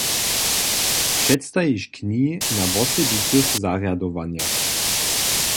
Předstajiš knihi na wosebitych zarjadowanjach.